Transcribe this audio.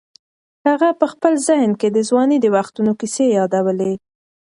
هغه په خپل ذهن کې د ځوانۍ د وختونو کیسې یادولې.